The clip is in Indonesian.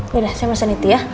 yaudah saya pesen itu ya